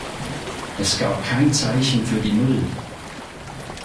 Es gab kein Zeichen für die Null.